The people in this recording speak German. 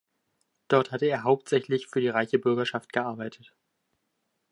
Dort hatte er hauptsächlich für die reiche Bürgerschaft gearbeitet.